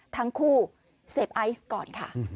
ทั้งคู่เสพไอซ์ก่อนค่ะ